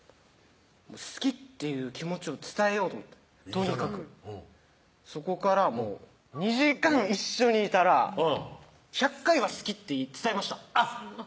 好きっていう気持ちを伝えようと思ってとにかくそこからもう２時間一緒にいたら１００回は「好き」って伝えましたあっ！